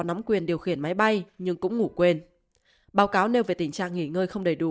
nắm quyền điều khiển máy bay nhưng cũng ngủ quên báo cáo nêu về tình trạng nghỉ ngơi không đầy đủ